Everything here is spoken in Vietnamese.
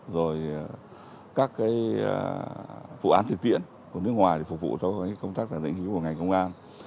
rồi các cái vụ án thực tiễn của nước ngoài để phục vụ cho công tác giả định hữu của ngành công an